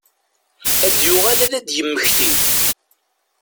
Ad yuɣal ad d-yemmekti.